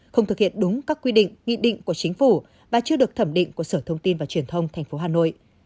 không thực hiện đúng các quy định nghị định của chính phủ và chưa được thẩm định của sở thông tin và truyền thông tp hà nội